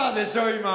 今！